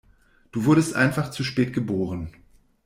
Du wurdest einfach zu spät geboren.